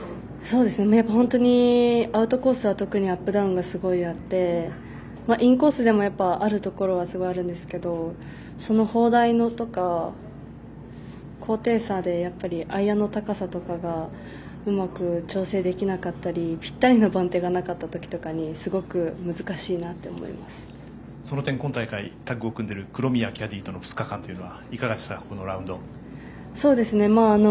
本当にアウトコースは特にアップダウンがいっぱいあってインコースでもあるところはあるんですけど砲台とか、高低差でアイアンの高さとかがうまく調整できなかったりぴったりの番手がなかったときとかにその点、今大会タッグを組んでいる黒宮キャディーとの２日間というのはいかがでしたか。